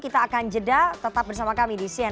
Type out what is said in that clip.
kita akan jeda tetap bersama kami di cnn